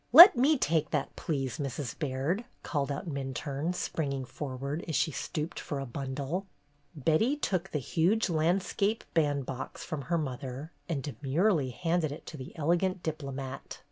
150 BETTY BAIRD'S GOLDEN YEAR "Let me take that, please, Mrs. Baird!" called out Minturne, springing forward as she stooped for a bundle. Betty took the huge landscape bandbox from her mother and demurely handed it to the elegant diplomat.